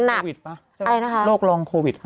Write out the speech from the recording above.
อะไรนะคะโรคลองโควิดค่ะ